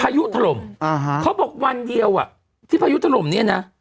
ยุถล่มอ่าฮะเขาบอกวันเดียวอ่ะที่พายุถล่มเนี่ยนะ